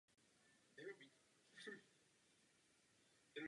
Místo toho absolvoval korespondenční kurz biologie na Texaské univerzitě v Austinu.